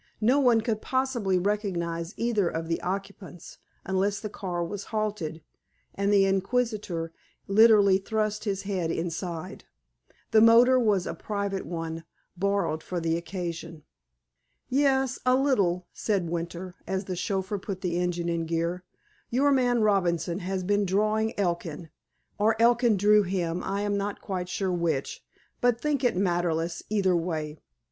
No one could possibly recognize either of the occupants unless the car was halted, and the inquisitor literally thrust his head inside. The motor was a private one, borrowed for the occasion. "Yes, a little," said Winter, as the chauffeur put the engine in gear. "Your man, Robinson, has been drawing Elkin, or Elkin drew him—I am not quite sure which, but think it matterless either way."